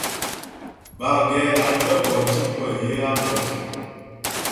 Bâ gɛ́la'tə gɔ tí pə yə á mə́jyə.